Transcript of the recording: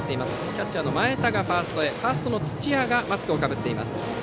キャッチャーの前田がファーストへファーストの土屋がマスクをかぶっています。